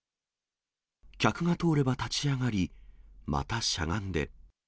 客が通れば立ち上がり、またしゃがんで。